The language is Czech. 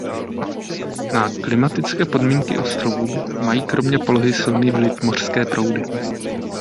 Na klimatické podmínky ostrovů mají kromě polohy silný vliv mořské proudy.